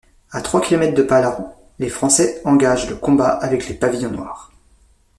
À trois kilomètres de Palan, les Français engagent le combat avec les Pavillons Noirs.